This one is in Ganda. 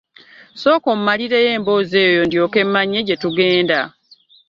Sooka ommalireyo emboozi eyo ndyoke mmanye gye tugenda.